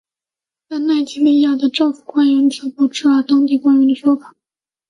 但奈及利亚的政府官员则驳斥了当地官员的说法。